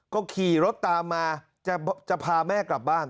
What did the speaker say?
ก็ขี่รถตามมาจะพาแม่กลับบ้าน